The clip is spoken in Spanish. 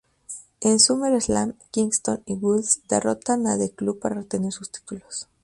En SummerSlam Kingston y Woods derrotaron a The Club para retener sus títulos.